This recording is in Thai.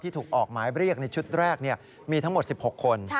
ไปตัวสุดคือครั้งนี้ในชุดแรกเนี่ยมีถ้าหมด๑๖คน